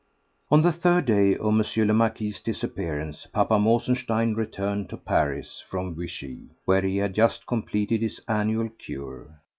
On the third day of M. le Marquis's disappearance Papa Mosenstein returned to Paris from Vichy, where he had just completed his annual cure.